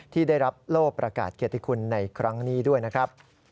ที่ได้รับโลกประกาศเกียรติคุณในครั้งนี้ด้วยนะครับ